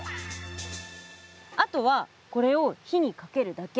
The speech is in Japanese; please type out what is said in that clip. あとはこれを火にかけるだけ。